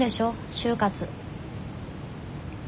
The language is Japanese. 就活。